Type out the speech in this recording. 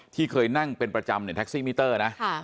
ที่เคยนั่งเป็นประจำเนี่ยแท็กซี่มิเตอร์นะ